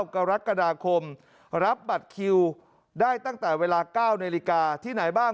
กรกฎาคมรับบัตรคิวได้ตั้งแต่เวลา๙นาฬิกาที่ไหนบ้าง